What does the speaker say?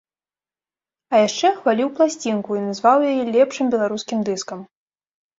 А яшчэ хваліў пласцінку і назваў яе лепшым беларускім дыскам.